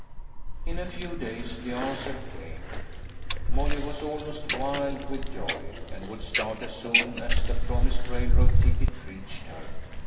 In a few days the answer came. Molly was almost wild with joy, and would start as soon as the prom ised railroad ticket reached her.